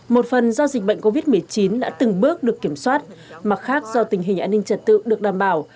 một phần do dịch bệnh covid một mươi chín đã từng bước được kiểm soát mặt khác do tình hình an ninh trật tự được đảm bảo